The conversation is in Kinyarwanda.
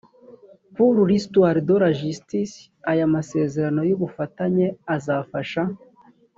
pour l histoire de la justice aya masezerano y ubufatanye azafasha